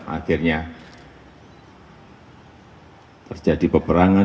akhirnya terjadi peperangan